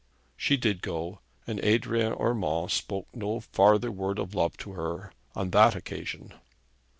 She did go, and Adrian Urmand spoke no farther word of love to her on that occasion.